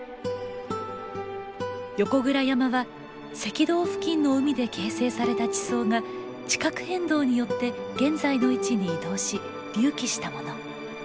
横倉山は赤道付近の海で形成された地層が地殻変動によって現在の位置に移動し隆起したもの。